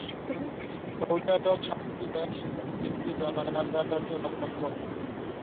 Saudi Arab সাতটি দেশ ও তিনটি জলাধার দ্বারা সীমাবদ্ধ।